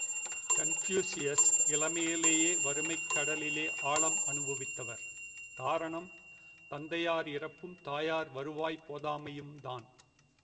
Confucius இளமையிலேயே வறுமைக் கடலிலே ஆழம் அனுபவித்தவர் காரணம் தந்தையார் இறப்பும் தாயார் வருவாய் போதாமையும்தான்!